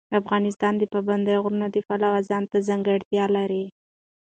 افغانستان د پابندی غرونه د پلوه ځانته ځانګړتیا لري.